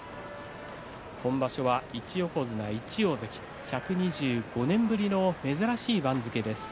今場所は１横綱１大関１２５年ぶりの珍しい番付です。